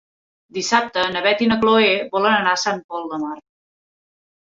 Dissabte na Beth i na Chloé volen anar a Sant Pol de Mar.